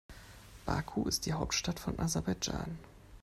Baku ist die Hauptstadt von Aserbaidschan.